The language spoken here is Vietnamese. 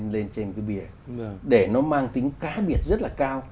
lên trên cái bia để nó mang tính cá biệt rất là cao